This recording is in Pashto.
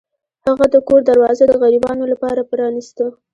هغه د کور دروازه د غریبانو لپاره پرانیسته.